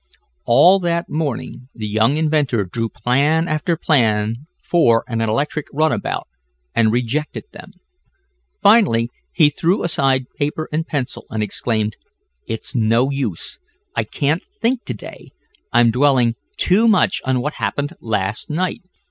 All that morning the young inventor drew plan after plan for an electric runabout, and rejected them. Finally he threw aside paper and pencil and exclaimed: "It's no use. I can't think to day. I'm dwelling too much on what happened last night.